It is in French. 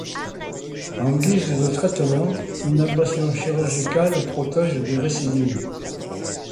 En guise de traitement, une ablation chirurgicale protège des récidives.